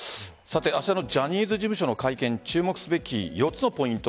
明日のジャニーズ事務所の会見注目すべき４つのポイント